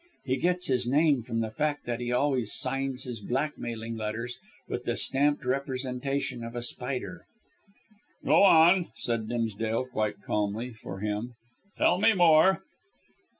He gets his name from the fact that he always signs his blackmailing letters with the stamped representation of a spider." "Go on," said Dimsdale, quite calmly for him, "tell me more."